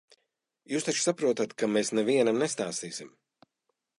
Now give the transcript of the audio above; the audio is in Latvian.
Jūs taču saprotat, ka mēs nevienam nestāstīsim.